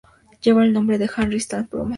Lleva el nombre de Henry Stanley Plummer.